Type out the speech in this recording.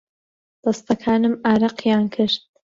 دەستەکانم ئارەقیان کرد.